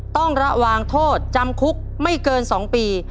ต้องระวังโทษจำคุกไม่เกิน๒ปี